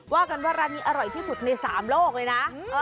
ว่ากันว่าร้านนี้อร่อยที่สุดใน๓โลกเลยนะ